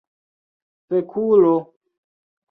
fekulo